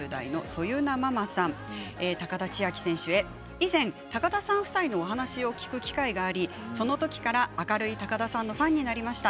以前高田さん夫妻のお話を聞く機会がありそのときから明るい高田さんのファンになりました。